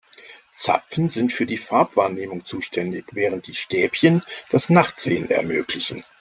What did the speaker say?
Zapfen sind für die Farbwahrnehmung zuständig, während die Stäbchen das Nachtsehen ermöglichen.